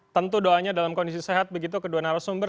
tentu doanya dalam kondisi sehat begitu kedua narasumber